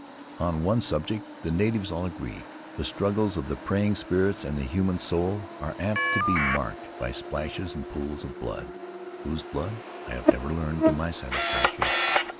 On one subject the natives all agree: the struggles of the preying spirits and the human soul are apt to be marked by splashes and pools of blood — whose blood I have never learned to my satisfaction.